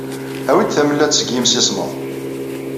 Awi-d tamellalt seg yimsismeḍ.